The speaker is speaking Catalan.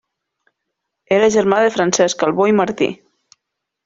Era germà de Francesc Albó i Martí.